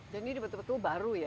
jadi ini betul betul baru ya